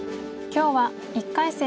今日は１回戦